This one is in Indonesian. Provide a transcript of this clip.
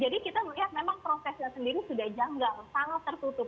jadi kita melihat memang prosesnya sendiri sudah janggal sangat tertutup